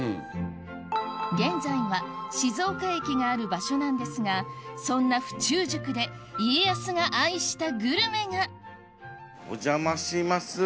現在は静岡駅がある場所なんですがそんな府中宿で家康がお邪魔します